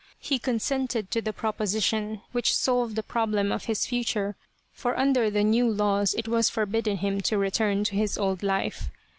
He con sented to the proposition which solved the problem of his future, for under the new laws it was forbidden him to return to his old life.